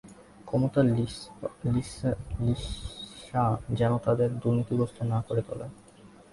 ক্ষমতার লিপ্সা যেন তাদের দুর্নীতিগ্রস্ত করে না তোলে।